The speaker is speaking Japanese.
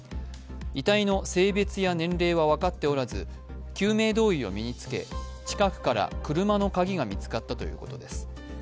遺体の性別や年齢は分かっておらず救命胴衣を身に着け近くから車の鍵が見つかったということです。